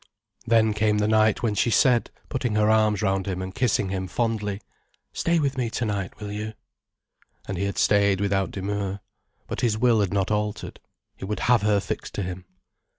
Then came the night when she said, putting her arms round him and kissing him fondly: "Stay with me to night, will you?" And he had stayed without demur. But his will had not altered. He would have her fixed to him.